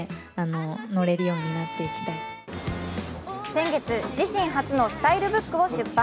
先月、自身初のスタイルブックを出版。